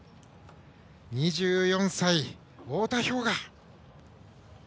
２４歳、太田彪雅。